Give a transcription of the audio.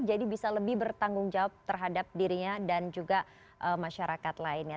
jadi bisa lebih bertanggung jawab terhadap dirinya dan juga masyarakat lainnya